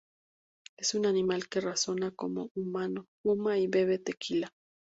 Es un animal que razona como un humano, fuma y bebe tequila.